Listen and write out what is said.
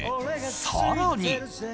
更に。